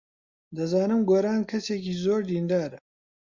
دەزانم گۆران کەسێکی زۆر دیندارە.